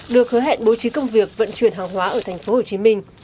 được hứa hẹn bố trí công việc vận chuyển hàng hóa ở tp hcm